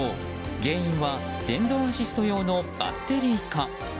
原因は電動アシスト用のバッテリーか。